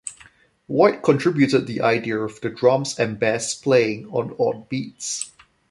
White contributed the idea of the drums and bass playing on odd beats.